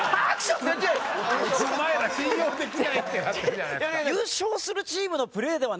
「お前ら信用できない」ってなってるじゃないですか。